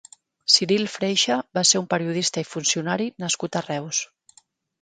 Ciril Freixa va ser un periodista i funcionari nascut a Reus.